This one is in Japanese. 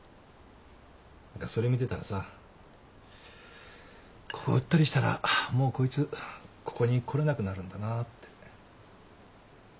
それ見てたらさここ売ったりしたらもうこいつここに来れなくなるんだなって。